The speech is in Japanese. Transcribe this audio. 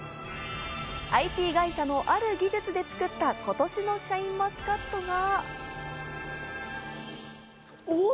ＩＴ会社のある技術で作った今年のシャインマスカットが。